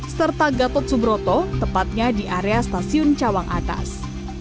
serta gatot subroto tepatnya di area stasiun cawang atas